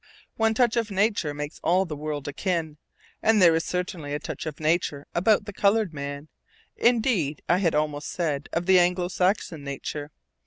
One touch of nature makes all the world akin, and there is certainly a touch of nature about the colored man; indeed, I had almost said, of Anglo Saxon nature.